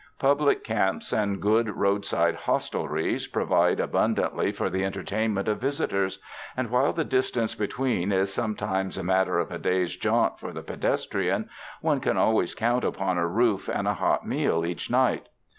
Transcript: Public camps and good roadside hostelries provide abund antly for the entertainment of visitors, and while the distance between is sometimes a matter of a day's jaunt for the pedestrian, one can always count upon a roof and a hot meal each night.